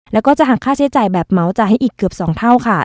แล้วก็จะหักค่าใช้จ่ายแบบเหมาจ่ายให้อีกเกือบ๒เท่าค่ะ